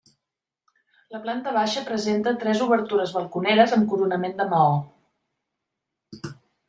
La planta baixa presenta tres obertures balconeres amb coronament de maó.